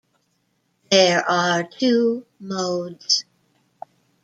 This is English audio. There are two modes.